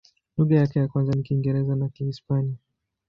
Lugha yake ya kwanza ni Kiingereza na Kihispania.